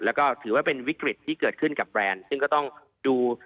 และถือว่าเป็นวิกฤตที่เกิดขึ้นกับแบรนด์